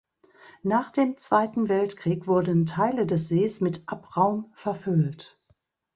Nach dem Zweiten Weltkrieg wurden Teile des Sees mit Abraum verfüllt.